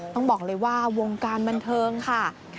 ต้องบอกเลยว่าวงการบันเทิงค่ะ